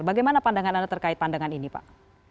bagaimana pandangan anda terkait pandangan ini pak